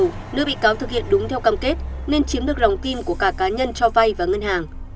đầu nếu bị cáo thực hiện đúng theo cam kết nên chiếm được lòng tim của cả cá nhân cho vai và ngân hàng